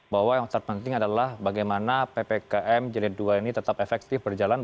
bahwa yang terpenting adalah bagaimana ppkm jilid dua ini tetap efektif berjalan